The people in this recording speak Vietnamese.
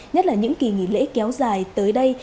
nhất là những kỳ nghỉ lễ kéo dài tới đây